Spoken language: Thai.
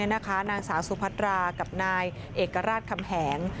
นางสาวสุพัตรากับนายเอกราชคำแหง